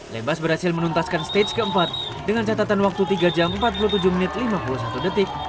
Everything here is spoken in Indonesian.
lebas berhasil menuntaskan stage keempat dengan catatan waktu tiga jam empat puluh tujuh menit lima puluh satu detik